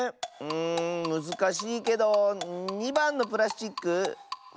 うんむずかしいけど２ばんのプラスチック？